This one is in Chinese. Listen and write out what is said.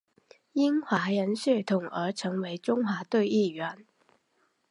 因华人血统而成为中华队一员。